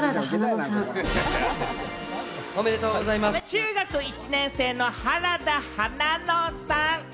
中学１年生の原田花埜さん。